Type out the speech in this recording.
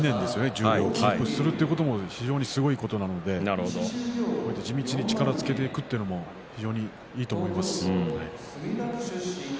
それをキープするということもすごいことなので地道に力をつけていくこともいいと思います。